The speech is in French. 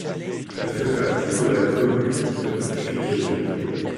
Elle fait partie de la commune de Figuil.